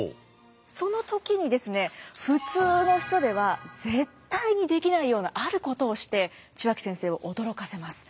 その時にですね普通の人では絶対にできないようなあることをして血脇先生を驚かせます。